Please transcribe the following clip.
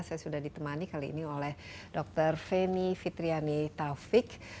saya sudah ditemani kali ini oleh dr feni fitriani taufik